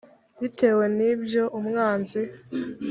bitewe n ibyo umwanzi